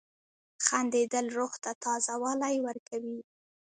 • خندېدل روح ته تازه والی ورکوي.